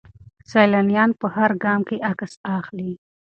سیلانیان په هر ګام کې عکس اخلي.